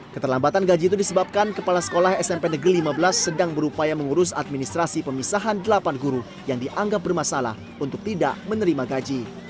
keterlambatan gaji itu disebabkan kepala sekolah smp negeri lima belas sedang berupaya mengurus administrasi pemisahan delapan guru yang dianggap bermasalah untuk tidak menerima gaji